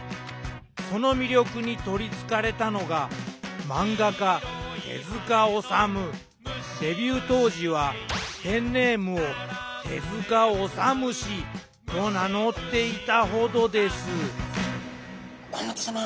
その魅力に取りつかれたのが漫画家デビュー当時はペンネームを手治虫と名乗っていたほどです甲本さま